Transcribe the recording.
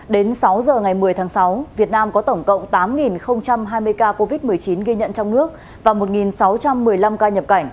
đến sáu giờ ngày một mươi tháng sáu việt nam có tổng cộng tám hai mươi ca covid một mươi chín ghi nhận trong nước và một sáu trăm một mươi năm ca nhập cảnh